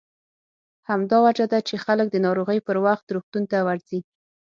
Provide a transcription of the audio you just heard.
همدا وجه ده چې خلک د ناروغۍ پر وخت روغتون ته ورځي.